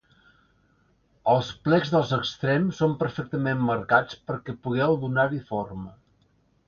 Els plecs dels extrems són perfectament marcats perquè pugueu donar-hi forma.